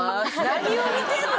何を見てんの？